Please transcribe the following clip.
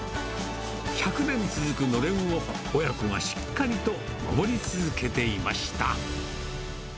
１００年続くのれんを、親子がしっかりと守り続けていました。